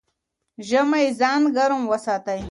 ژمی ځان ګرم وساته